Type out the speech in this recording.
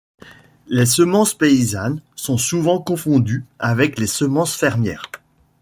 Les semences paysannes sont souvent confondues avec les semences fermières.